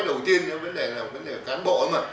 nhưng mà trong như tôi nói đầu tiên vấn đề là cán bộ ấy mà